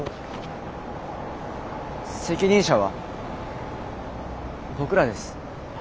責任者は僕らです。はあ？